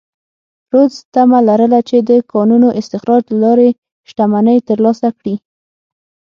رودز تمه لرله چې د کانونو استخراج له لارې شتمنۍ ترلاسه کړي.